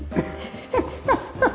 アハハハ！